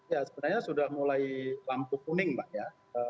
ya sebenarnya sudah mulai lampu kuning mbak ya